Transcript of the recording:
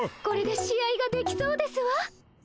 これで試合ができそうですわ。